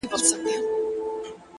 راسه چي الهام مي د زړه ور مات كـړ ـ